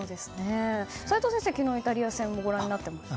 齋藤先生、昨日イタリア戦ご覧になってました？